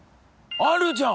あるじゃん！